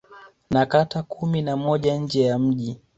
Na kata kumi na moja nje ya mji